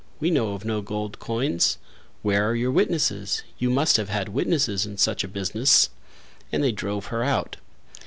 We know of no gold coins: where are your witnesses? You must have had witnesses in such a business." And they drove her out.